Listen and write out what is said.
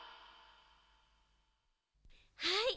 はい。